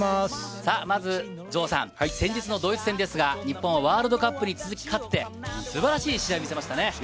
城さん、先日のドイツ戦ですが日本はワールドカップに続き勝って、素晴らしい試合を見せましたね。